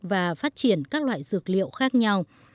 và phát triển các loại dược liệu khác nhau